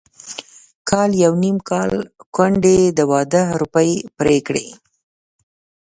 کال يو نيم کال کونډې د واده روپۍ پرې کړې.